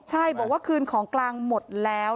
ใช่บอกว่าคืนของกลางหมดแล้ว